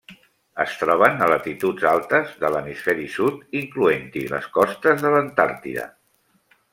Es troben a latituds altes de l'hemisferi sud, incloent-hi les costes de l'Antàrtida.